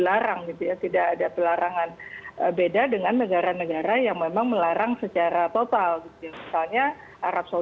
peraturan perundangan yang berlaku